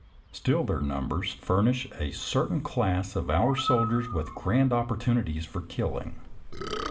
" Still, their numbers furnish a certain class of our soldiers with grand opportunities for killing.